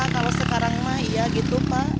kalau sekarang mah ya gitu